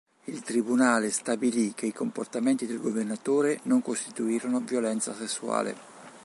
Il tribunale stabilì che i comportamenti del governatore non costituirono violenza sessuale.